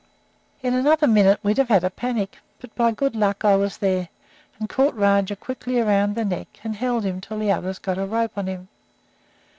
] "In another minute we'd have had a panic; but by good luck I was there, and caught Rajah quickly around the neck and held him until the others got a rope on him.